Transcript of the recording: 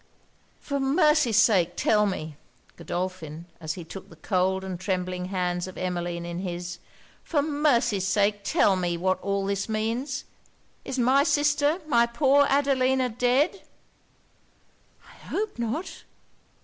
'For mercy's sake tell me,' Godolphin, as he took the cold and trembling hands of Emmeline in his 'for mercy's sake tell me what all this means? Is my sister, my poor Adelina dead?' 'I hope not!'